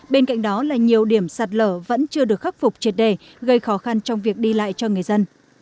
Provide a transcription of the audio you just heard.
bên cạnh đó là nhiều điểm sạt lở vẫn chưa được khắc phục triệt đề gây khó khăn trong việc đi lại cho người dân